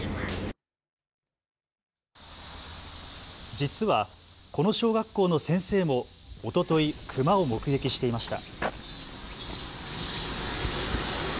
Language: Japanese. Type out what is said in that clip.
実はこの小学校の先生もおとといクマを目撃していました。